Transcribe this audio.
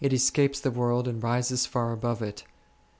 O O escapes the world and rises far above it.